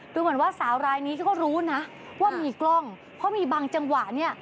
ดูเหมือนว่าสาวรายนี้เขาก็รู้นะว่ามีกล้องเพราะมีบางจังหวะเนี่ย